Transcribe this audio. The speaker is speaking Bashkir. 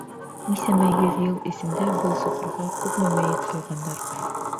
Нисәмә йөҙ йыл эсендә был соҡорға күпме мәйет ҡуйғандар!